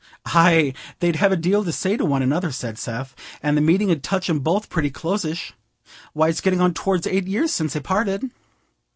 "Aye, they'd have a deal to say to one another," said Seth, "and the meeting 'ud touch 'em both pretty closish. Why, it's getting on towards eight years since they parted."